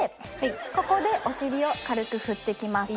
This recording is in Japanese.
ここでお尻を軽く振っていきます。